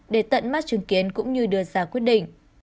để tận mắt chứng kiến cũng như đưa ra quyết định